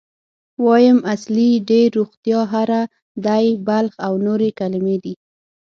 وایم، اصلي، ډېر، روغتیا، هره، دی، بلخ او نورې کلمې دي.